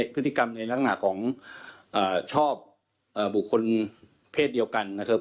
พฤติกรรมในลักษณะของชอบบุคคลเพศเดียวกันนะครับ